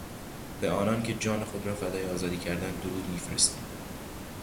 به آنانکه جان خود را فدای آزادی کردند درود میفرستیم.